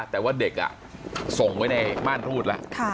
แต่ว่าเด็กส่งไว้ในม่านรูดแล้ว